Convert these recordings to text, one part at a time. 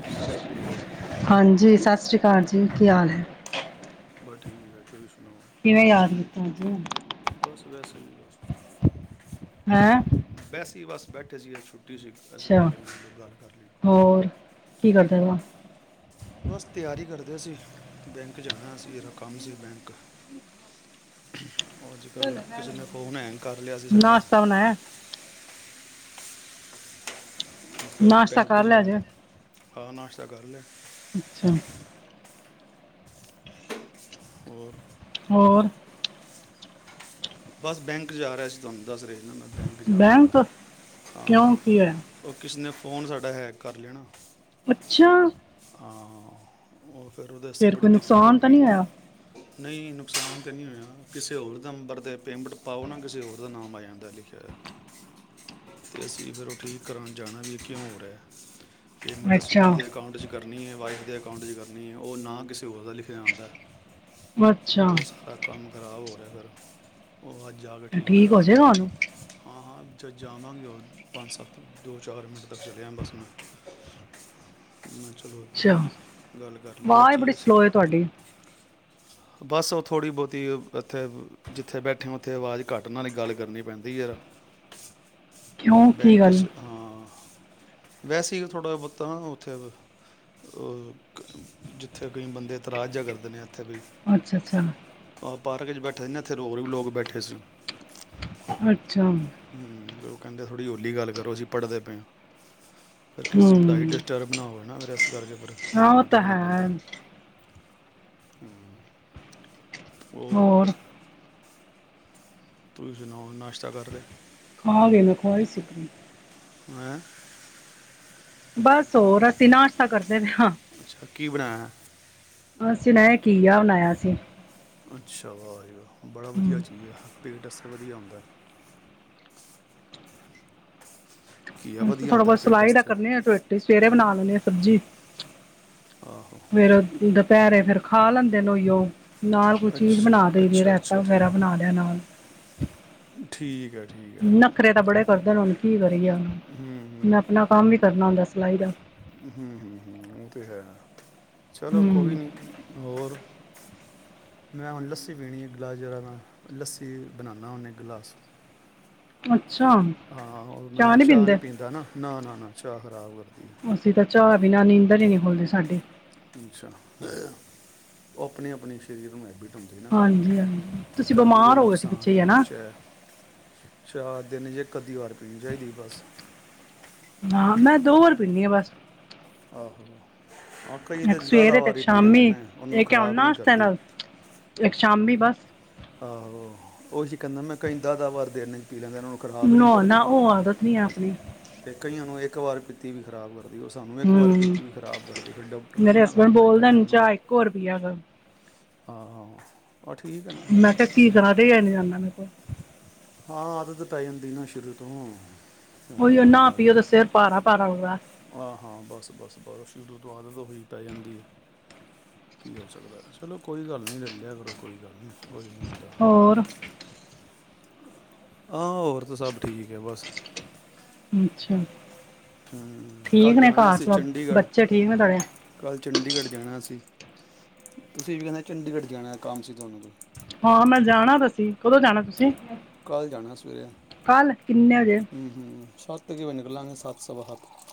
ਜੀ ਸਤਿ ਸ੍ਰੀ ਅਕਾਲ ਹਾਂਜੀ, ਸਤਿ ਸ਼੍ਰੀ ਅਕਾਲ ਜੀ। ਹੁਣ, ਕੀ ਹਾਲ ਹੈ? ਬਸ ਠੀਕ ਹੈ, ਤੁਸੀਂ ਸੁਣਾਓ? ਕਿਵੇਂ ਯਾਦ ਕੀਤਾ ਅੱਜ? ਸਹੀ ਬੱਸ ਵੈਸੇ ਈ ਬੱਸ ਬੈਠੇ ਜੀ, ਅੱਜ ਤੁਸੀਂ ਇਸ ਅੱਛਾ ਕਰਕੇ ਮੈਂ ਕਿਹਾ ਗੱਲ ਕਰ ਲਈ ਏ ਹੋਰ [unintelligible] ਦੇ ਅਸੀ, ਬੈਂਕ ਜਾਣਾ ਏ ਅਸੀ ਇਹਦਾ ਕੰਮ ਸੀ ਬੈਂਕ। ਅੱਜ ਕੱਲ ਕਿਸੇ ਨੇ ਫੋਨ ਹੈਂਗ ਕਰ ਲਿਆ ਸੀ ਸਾਡਾ ਨਾਸ਼ਤਾ ਬਣਾਇਆ ਏ। ਫਿਰ ਨਾਸ਼ਤਾ ਬੈਂਕ ਕਰ 'ਚ ਲਿਆ ਜੇ। ਹਾਂ, ਨਾਸ਼ਤਾ ਕਰ ਲਿਆ। ਅੱਛਾ। ਹੋਰ ਹੋਰ ਬਸ ਬੈਂਕ ਜਾ ਰਿਹਾ ਸੀ, ਤੁਹਾਨੂੰ ਦੱਸ ਰਿਹਾ ਸੀ। ਨਾ ਮੈਂ ਬੈਂਕ ਜਾ ਰਿਹਾ, ਹਾਂ ਕਿਉਂ ਕੀ ਹੋਇਆ ਉਹ ਕਿਸੇ ਨੇ ਫੋਨ ਸਾਡਾ ਹੈਕ ਕਰ ਲੈਆ ਨਾ। ਅੱਛਾ ਹਾਂ ਔਰ ਪਰ ਉਹਦੇ ਸੇ ਫੇਰ ਬੜੀ ਕੋਈ ਦਿੱਕਤ ਹੋ ਨੁਕਸਾਨ ਤਾਂ ਗਈ, ਨਹੀਂ ਹੋਇਆ ਨਹੀਂ ਨੁਕਸਾਨ ਤੇ ਨੀ ਹੋਇਆ। ਕਿਸੇ ਹੋਰ ਨੰਬਰ ਦੇ ਪੇਮੈਂਟ ਪਾਓ ਨਾ, ਕਿਸੇ ਹੋਰ ਦਾ ਨਾਮ ਆ ਜਾਂਦਾ ਲਿਖਿਆ ਹੋਇਆ, ਤੇ ਅਸੀ ਫਿਰ ਉਹ ਠੀਕ ਕਰਾਉਨ ਜਾਨਾ, ਵਈ ਇਹ ਕਿਉਂ ਹੋ ਰਿਹਾ। ਪੇਮੈਂਟ ਅੱਸੀ ਅੱਛਾ ਜਿਹਦੇ ਅਕਾਊਂਟ ਚ ਕਰ ਕਰਨੀ ਏ, ਵਾਈਫ ਦੇ ਅਕਾਊਂਟ ਚ ਕਰਨੀ ਹੈ, ਉਹ ਨਾ ਕਿਸੇ ਕਿਸੇ‌ ਹੋਰ ਦਾ ਲਿਖਿਆ ਆਦਾ ਏ, ਅੱਛਾ ਉਹ ਸਾਰਾ ਕੰਮ ਖਰਾਬ ਹੋ ਰਿਹਾ ਫਿਰ। ਉਹ ਅੱਜ ਜਾ ਕੇ ਠੀਕ ਹੋ ਕਰਾ ਜਾਏਗਾ ਰਿਹਾਂ, ਉਹਨੂੰ ਹਾਂ-ਹਾਂ। ਚ ਜਾਵਾਂਗੇ ਹੋਰ ਪੰਜ ਸੱਤ ਦੋ ਚਾਰ ਮਿੰਟ ਤੱਕ ਚਲਿਆ ਬੱਸ ਮੈਂ, ਮ ਚਲੋ ਇਕ ਵਾਰ ਅੱਛਾ ਗੱਲ ਕਰ ਲਈਏ ਇਹ ਆਵਾਜ਼ ਬੜੀ ਚੀਜ਼ ਸਲੋਅ ਹੈ ਤੁਹਾਡੀ ਬਸ ਉਹ ਥੋੜ੍ਹੀ ਬਹੁਤੀ ਇੱਥੇ, ਜਿੱਥੇ ਬੈਠ ਠੇ ਹਾਂ ਉੱਥੇ ਆਵਾਜ ਘੱਟ ਨਾਲ ਹੀ ਗੱਲ ਕਰਨੀ ਪੈਂਦੀ ਐ। ਕਿਉਂ ਕੀ ਬੈਂਕ ਗੱਲ ਚ ਹਾਂ ਵੈਸੇ ਹੀ, ਥੋੜ੍ਹਾ ਬਹੁਤਾ ਉੱਥੇ ਆ ਕ ਜਿੱਥੇ ਕਈ ਬੰਦੇ ਇਤਰਾਜ ਜਿਹਾ ਕਰਦੇ ਨੇਂ। ਇਥੇ ਵੀ ਅੱਛਾ ਅੱਛਾ ਆਪ ਪਾਰਕ ਚ ਬੈਠੇ ਰਹਿਣੇ, ਇੱਥੇ [unintelligible] ਬੈਠੇ ਸੀ। ਅੱਛਾ ਹੂੰ ਤੇ ਉਹ ਕਹਿੰਦੇ ਥੋੜੀ ਜਿਹੀ ਹੋਲੀ ਗੱਲ ਕਰੋ, ਅਸੀ ਪੜਦੇ ਪਏ ਹਾਂ। ਫਿਰ ਕਿਸੇ ਦੀ ਪੜ੍ਹਾਈ ਡਿਸਟਰਬ ਨਾ ਹੋਵੇ ਨਾ, ਫਿਰ ਇਸ ਕਰਕੇ ਫਿਰ ਹਾਂ ਉਹ ਧਿਆਨ ਤਾਂ ਰੱਖਣਾ ਪੈਂਦਾ ਹੈ ਐ। ਹੂੰ ਹੋਰ ਤੁਸੀ ਸੁਣਾਓ, ਨਾਸ਼ਤਾ ਕਰ ਲਿਆ। ਖਾ ਲਿਆ ਮੈਂ ਖਵਾਈ ਸੀ ਪੂਰੀ ਹੈਂ, ਬਸ ਹੋਰ ਅਸੀ ਨਾਸ਼ਾ ਕਰਦੇ [inaudible] [inaudible] ਅੱਛਾ ਕੀ ਬਣਾਇਆ ਅੱਛਾ, ਵਾਹ ਜੀ ਵਾਹ! ਬੜਾ ਵਧੀਆ ਹਮ ਚੀਜ਼ ਐ। ਪਿਡਸਕ ਵਧੀਆ ਆਉਂਦਾ। ਅਸੀਂ ਥੋੜਾ ਹੁੰਦਾ ਹੈ ਬਹੁਤ ਪੇਟ ਸਿਲਾਈ ਦਾ ਵਾਸਤੇ ਕਰਨੇ ਆਂ, ਰੋਟੀ ਸਵੇਰੇ ਬਣਾ ਲੈਣੇ ਆਂ ਅਸੀਂ। ਸਬਜ਼ੀ ਆਹੋ ਫਿਰ ਉਹ ਦੁਪਹਿਰੇ ਫਿਰ ਖਾ ਲੈਂਦੇ ਨੇ ਉਹੀਓ। ਨਾਲ ਕੋਈ ਚੀਜ਼ ਅੱਛਾ ਬਣਾ ਦੇਈ ਦੀ ਐ ਅੱਛਾ ਰਾਇਤਾ ਅੱਛਾ ਵਗੈਰਾ ਠੀਕ ਬਣਾ ਲਿਆ ਨਾਲ। ਠੀਕ ਹੈ ਠੀਕ ਹੈ ਨਖਰੇ ਤਾਂ ਬੜੇ ਕਰਦੇ ਨੇ ਹੁਣ ਕੀ ਕਰੀਏ ਹੁਣ, ਹੂੰ ਮੈਂ ਆਪਣਾ ਕੰਮ ਵੀ ਕਰਨਾ ਹੁੰਦਾ ਸਿ ਸਿਲਾਈ ਦਾ। ਹੂੰ-ਹੂੰ-ਹੂੰ, ਉਹ ਤੇ ਹੈ। ਚਲੋ ਹਮ ਕੋਈ ਨਹੀਂ ਹੋਰ ਮੈਂ ਹੁਣ ਲੱਸੀ ਪੀਣੀ ਐ ਗਲਾਸ ਜਿਹੜਾ ਮੈਂ ਲੱਸੀ ਬਣਾਨਾ ਹੁੰਨਾ ਇੱਕ ਗਲਾਸ। [inaudible] ਹਾਂ ਮੈਂ ਚਾਹ ਨੀ ਪੀਂਦਾ ਨਾ- ਨਾ- ਨਾ- ਨਾ। [inaudible] ਅਸੀਂ ਤਾਂ ਚਾਹ ਬਿਨਾ ਨੀਂਦਰ ਨੀ ਬੋਲਦੇ ਸਾਡੇ ਅੱਛਾ ਆਪਣੀ ਆਪਣੇ ਸਰੀਰ ਨੂੰ ਹੈਬਿਟ ਸਭ ਦਾ ਹਾਂਜੀ ਹਾਂਜੀ ਤੁਸੀਂ ਕਰਦੀ ਬਿਮਾਰ ਹੋ ਗਏ ਸੀ ਪਿੱਛੇ ਨੁਕਸਾਨ ਹੀ ਹੈ ਹਨਾ ਚਾਹ ਇਕ ਅੱਧੀ ਵਾਰ [unintelligible] ਪੀਨੀ ਆ ਬਸ [unintelligible] ਆ ਕਈ ਤਾਂ ਜ਼ਿਆਦਾ ਸਵੇਰੇ ਤੇ ਵਾਰੀ ਪੀ ਲੈਂਦੇ ਸ਼ਾਮੀ ਨੇ ਉਹਨਾਂ ਨੂੰ ਇਹ ਕ ਖਰਾਬ ਆਉਨਾ ਨਹੀਂ ਤ ਕਰਦੀ ਨਾਲ ਇੱਕ ਸ਼ਾਮੀ ਬਸ [unintelligible] ਪੀ ਲੈਂਦੇ ਉਹਨਾਂ ਨੂੰ ਖ਼ਰਾਬ ਹੀ ਨਹੀਂ ਕਰਦੀ ਨਹਾਉਣਾ ਉਹ ਆਦਤ ਨੀ ਆਪਣੀ ਅਤੇ ਕਈਆਂ ਨੂੰ ਇੱਕ ਇੱਕ ਵਾਰ ਪੀਤੀ ਵੀ ਖਰਾਬ ਕਰ ਉਹ ਸਾਨੂੰ ਇੱਕ ਵਾਰੀ ਹੂੰ ਪੀਤੀ ਵੀ ਖ਼ਰਾਬ ਕਰਦੀ ਫਿਰ ਡਾਕਟਰ ਨੇ ਮੇਰੇ ਮਨਾ ਹਸਬੈਂਡ ਕਰਤਾ ਬੋਲਦੇ ਕਹਿੰਦਾ ਨੇ ਨਾ ਚਾਹ ਇੱਕੋ ਰੁਪਈਆ ਕਰ [unintelligible] [unintelligible] ਫੇਰ ਕੀ ਕਰਾਂ ਰਿਹਾ ਨੀ ਜਾਂਦਾ ਮੇਰੇ ਕੋਲ। ਹਾਂ ਆਦਤ ਪੈ ਜਾਂਦੀ ਨਾ ਸ਼ੁਰੂ ਤੋਂ। ਹੋਰ ਉਹੀਓ ਕੋਈ ਨਾ ਗੱਲ ਪੀਓ ਨੀ, ਤੇ ਸਿਰ ਭਾਰਾ ਭਾਰਾ ਹੁੰਦਾ ਹਾਂ -ਹਾਂ, ਬਸ-ਬਸ- ਬਸ ਸ਼ੁਰੂ ਤੋਂ ਆਦਤ ਹੈ ਹਾਂ ਪੈ ਜਾਂਦੀ ਏ ਕੀ ਹੋ ਸਕਦਾ ਹੈ ਚਲੋ ਕੋਈ ਗੱਲ ਨੀ ਲੈ ਲਿਆ ਕਰੋ ਕੋਈ ਗੱਲ ਨੀ। ਹੋਰ ਹਾਂ ਹੋਰ ਤਾਂ ਸਭ ਠੀਕ ਹੈ ਬਸ। ਅੱਛਾ ਠੀਕ ਕੱਲ੍ਹ ਨੇ ਜਾਣਾ ਘਰ ਸੀ ਸਭ ਚੰਡੀਗੜ੍ਹ, ਬੱਚੇ ਠੀਕ ਨੇ ਤੁਹਾਡੇ ਕੱਲ੍ਹ ਚੰਡੀਗੜ੍ਹ ਜਾਣਾ ਸੀ। ਤੁਸੀਂ ਵੀ ਕਹਿੰਦੇ ਚੰਡੀਗੜ੍ਹ ਜਾਣੈ, ਕੰਮ ਸੀ ਤੁਹਾਨੂੰ ਕੋਈ। ਹਾਂ ਮੈਂ ਜਾਣਾ ਤਾਂ ਸੀਂ ਕਦੋਂ ਜਾਣਾ ਤੁਸੀਂ? ਕੱਲ ਜਾਣਾ ਸਵੇਰੇ, ਕੱਲ ਕਿੰਨੇ ਵਜੇ ਹਮ-ਹਮ ਸਤ ਕਿ ਵਜ ਨਿਕਲਾਂਗੇ ਸਤ-ਸਵਾ- ਸਤ।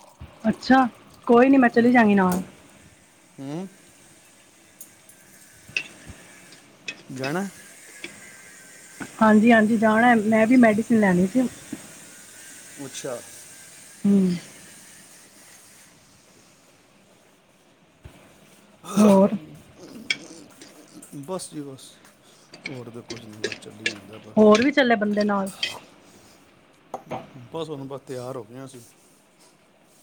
ਅੱਛਾ, ਕੋਈ ਨੀ ਮੈਂ ਚਲੀ ਜਾਂਗੀ ਨਾਲ। ਹੰ ਜਾਣੈ? ਹਾਂਜੀ-ਹਾਂਜੀ ਜਾਣਾ, ਮੈਂ ਵੀ ਮੈਡੀਸਿਨ ਲੈਣੀ ਸੀ। ਅੱਛਾ ਹੰ ਹੋਰ [unintelligible] ਬਸ ਜੀ ਬਸ, ਹੋਰ ਤਾਂ ਕੁਛ ਨੀ ਬਸ। ਚੱਲੀ ਜਾਂਦਾ ਬਸ ਹੋਰ ਵੀ ਚੱਲੇ ਬੰਦੇ ਨਾਲ? ਬਸ ਹੁਣ ਬਸ ਤਿਆਰ ਹੋ ਗਏ ਆ ਅਸੀਂ,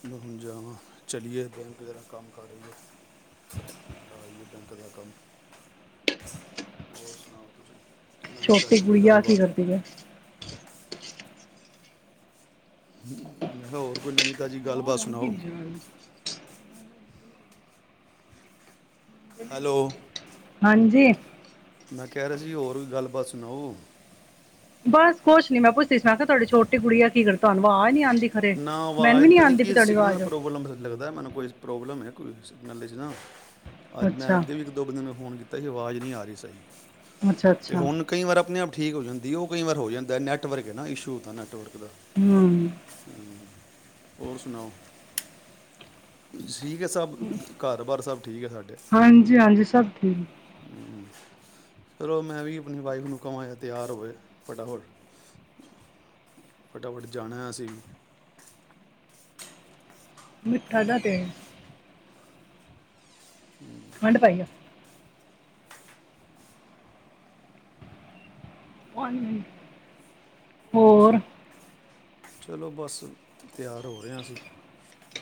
ਬਹ ਹੁਣ ਜਾਵਾ, ਚਲੀਏ ਬੈਂਕ ਜਰਾ ਕੰਮ ਕਰ ਆਈਏ, ਬੈਂਕ ਦਾ ਕੰਮ, ਹੋਰ ਸੁਣਾਓ ਤੁਸੀਂ। ਨਵੀਂ ਛੋਟੀ ਤਾਜੀ ਕੋਈ ਗੁੜੀਆ ਕੀ ਗੱਲਬਾਤ ਕਰਦੀ ਏ? ਹੋਰ ਕੋਈ ਨਵੀਂ ਤਾਜ਼ੀ ਗੱਲਬਾਤ ਆਵਾਜ਼ ਆਉਂਦੀ ਸੁਣਾਓ। ਨੀ ਜਰਾ ਵੀ। ਹੈਲੋ ਹਾਂਜੀ ਮੈਂ ਕਹਿ ਰਿਹਾ ਸੀ ਹੋਰ ਵੀ ਗੱਲਬਾਤ ਸੁਣਾਓ ਬਸ ਕੁਛ ਨੀ ਮੈਂ ਪੁੱਛਦੀ ਸਾਂ, ਕਿ ਤੁਹਾਡੀ ਤੁਹਾਡੀ ਛੋਟੀ ਗੁਡੀਆ ਕੀ ਕਰ ਤੁਹਾਨੂੰ ਵਾਜ ਨੀ ਆਂਦੀ। ਖਰੇ। ਨਾ ਮੈਨੂੰ ਵੀ ਆਵਾਜ਼ ਪਤਾ ਨੀ ਆਂਦੀ ਪਈ ਕਿ ਤੁਹਾਡੀ ਸਿਗਨਲ ਆਵਾਜ਼ ਪ੍ਰੋਬਲਮ ਲੱਗਦਾ, ਮੈਨੂੰ ਕੋਈ ਪ੍ਰੋਬਲਮ ਹੈ। ਕੋਈ ਸਿਗਨਲ ਚ ਨਾ ਅੱਜ ਮੈਂ ਅੱਛਾ ਅੱਗੇ ਵੀ ਇੱਕ ਦੋ ਬੰਦੇ ਨੂੰ ਫੋਨ ਕੀਤ ਤੇ ਜੋ ਆਵਾਜ਼ ਨੀਂ ਆ ਰੀ ਸਹੀ। ਅੱਛਾ ਤੇ ਅੱਛਾ ਹੁਣ ਕਈ ਵਾਰ ਅਪਣੇ ਆਪ ਠੀਕ ਹੋ ਜਾਂਦ ਦੀ ਉਹ ਕਈ ਵਾਰ ਹੋ ਜਾਂਦਾ, ਨੈਟਵਰਕ ਏ ਨਾ, ਇਸ਼ੂ ਹੁੰਦਾ ਨੈੱਟਵਰਕ ਹੂੰ ਹੋਰ ਸੁਣਾਓ, ਸੀਕ ਹੈ ਸਭ ਘਰ- ਬਾਰ ਸਭ। ਠੀਕ ਹੈ ਸਾਡੇ ਹਾਂਜੀ ਹਾਂਜੀ ਸਭ ਠੀਕ। ਹਮ। ਚਲੋ ਮੈਂ ਵੀ ਆਪਣੀ ਵਾਈਫ ਨੂੰ ਕਵਾਂ, ਤਿਆਰ ਹੋਵੇ ਫਟਾਫਟ ਫਟਾਫਟ ਜਾਣਾ ਅਸੀਂ। ਮਿੱਠਾ ਜ ਤੇ। ਖੰਡ ਪਾਈ ਆ। ਹਨ। [inaudible] ਅੱਛਾ। ਚਲੋ ਬਸ ਤਿਆਰ ਹੋ ਰਹੇ ਹਾਂ ਅਸੀਂ,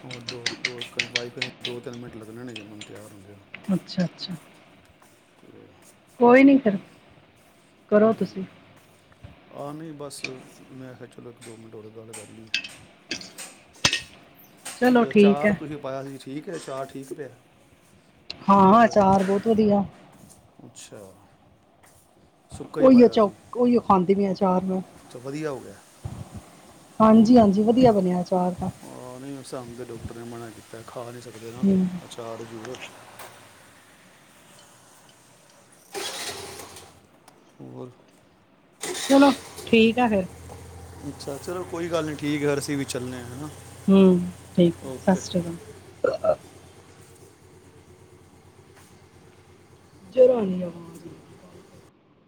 ਹੋਰ ਦੋ ਦੋ ਕ ਬਾਈ ਕਦੇ ਦੋ ਤਿੰਨ ਮਿੰਟ ਲੱਗਣੇ ਨੇ ਜ ਮੈਨ ਤਿਆਰ ਹੁੰਦੇ ਹੋਣ। ਅੱਛਾ-ਅੱਛਾ! ਹੂੰ ਕੋਈ ਨੀ ਫਿਰ। ਕਰੋ ਤੁਸੀਂ। ਅ ਨਹੀਂ ਬਸ ਮੈਂ ਕਿਹਾ, ਚਲੋ ਇੱਕ ਦੋ ਮਿੰਟ ਉਰੇ ਗੱਲ ਕਰ ਲਈ ਹੈ। ਚਲੋ ਠੀਕ ਹੈ ਚਾਰ ਤੁਸੀਂ ਪਾਇਆ ਸੀ ਠੀਕ। ਮੈ ਕਿਹਾ ਅਚਾਰ ਠੀਕ ਪਿਆ? ਹਾਂ ਪਾਇਆ ਸੀ ਅਚਾਰ ਬਹੁਤ ਵਧੀਆ। ਅੱਛਾ ਸੁੱਕਾ ਹੀ ਹੋਇਓ ਚ ਪਾਇਆ ਸੀ ਹੋਈਓ ਖਾਂਦੀ ਵੀੈਂ ਆਚਾਰ ਮੈਂ। ਅੱਛਾ ਵਧੀਆ ਹੋ ਗਿਆ [unintelligible] ਹਾਂਜੀ ਹਾਂਜੀ ਵਧੀਆ ਬਣਿਆ। ਅਚਾਰ ਤਾਂ ਆਹ ਨਹੀਂ ਸਮਝ ਡੋ। ਨੇ ਮਨਾ ਕੀਤਾ ਖਾ ਨਹੀ ਸਕਦਾ। ਹੂੰ ਅਛਾੜ ਜ਼ੂਰ। [inaudible] ਹੋਰ। ਚਲੋ ਠੀਕ ਆ ਫੇਰ। ਅੱਛਾ ਚਲੋ ਕੋਈ ਗੱਲ ਨਹੀਂੀ ਠੀਕ ਹੈ ਫ ਅਸੀਂ ਵੀ ਚੱਲੇ ਹਾਂ ਹਨਾ। ਹਮ ਠੀਕ ਸਤਿ ਸ਼੍ਰੀ ਅਕਾਲ। ਜਰਾਨ ਆਵਾਜ਼ ਆ।